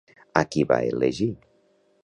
A qui va elegir?